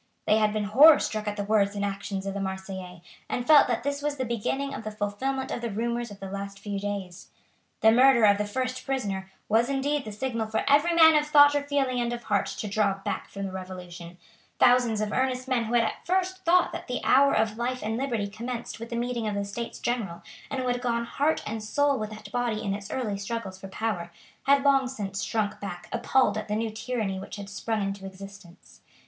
They had been horror struck at the words and actions of the Marseillais, and felt that this was the beginning of the fulfilment of the rumours of the last few days. The murder of the first prisoner was indeed the signal for every man of thought or feeling and of heart to draw back from the Revolution. Thousands of earnest men who had at first thought that the hour of life and liberty commenced with the meeting of the States General, and who had gone heart and soul with that body in its early struggles for power, had long since shrunk back appalled at the new tyranny which had sprung into existence.